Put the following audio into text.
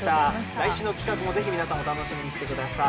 来週の企画もぜひ皆さんお楽しみにしてください。